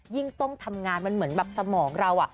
ยิ่งต้มทำงานมันเหมือนสมองเรา